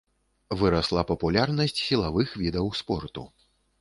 Вырасла папулярнасць сілавых відаў спорту.